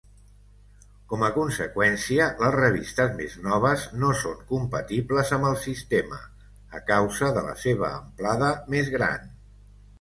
Com a conseqüència, les revistes més noves no són compatibles amb el sistema, a causa de la seva amplada més gran.